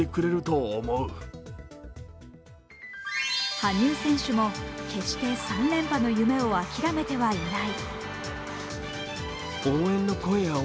羽生選手も決して３連覇の夢を諦めてはいない。